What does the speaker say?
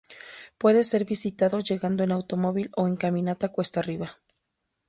Puede ser visitado llegando en automóvil o en caminata cuesta arriba.